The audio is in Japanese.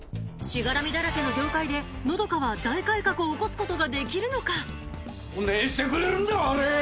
しがらみだらけの業界で和佳は大改革を起こすことができるのか⁉どねぇしてくれるんだわれ！